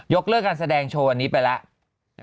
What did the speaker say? เลิกการแสดงโชว์วันนี้ไปแล้ว